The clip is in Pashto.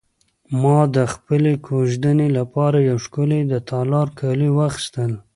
ما د خپلې کوژدنې لپاره یو ښکلی د تالار کالي واخیستل.